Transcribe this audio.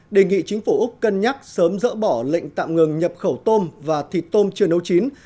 đề nghị chính phủ úc cân nhắc sớm dỡ bỏ lệnh tạm ngừng nhập khẩu tôm và thịt tôm chưa nấu chín